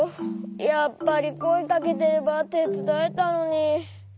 やっぱりこえかけてればてつだえたのに。